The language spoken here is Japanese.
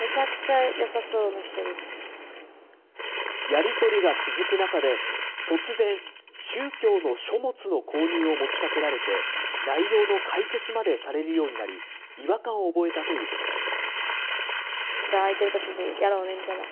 やり取りが続く中で、突然、宗教の書物の購入を持ちかけられて、内容の解説までされるようになり、違和感を覚えたということです。